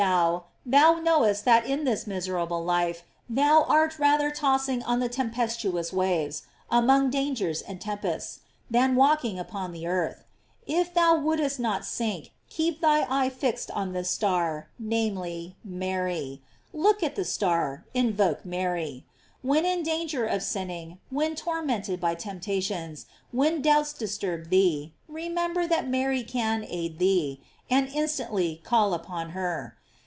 97 Bernard;* Oh man, whoever thou art, thou know cst that in this miserable life thou art rather toss ing on the tempestuous waves, among dangers and tempests, than walking upon the earth; if thou wouldst not sink, keep thy eye fixed on this star, namely, Mary. Look at the star, in voke Mary. When in danger of sinning, when tormented by temptations, when doubts disturb thee, remember that Mary can aid thee, and in stantly call upon her.